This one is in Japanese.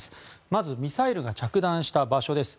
まず、ミサイルが着弾した場所です。